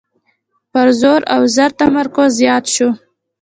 پر زور او زر تمرکز زیات شو.